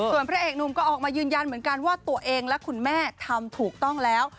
ส่วนพระเอกหนุ่มก็ออกมายืนยันเหมือนกันว่าตัวเองและคุณแม่ทำถูกต้องแล้ว